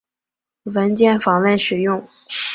文件访问使用。